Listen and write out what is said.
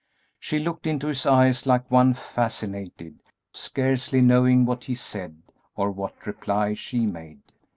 She looked into his eyes like one fascinated, scarcely knowing what he said or what reply she made.